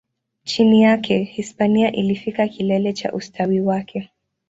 Chini yake, Hispania ilifikia kilele cha ustawi wake.